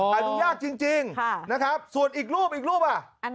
หาดูยากจริงนะครับส่วนอีกรูปอ่ะอีกรูปยังไง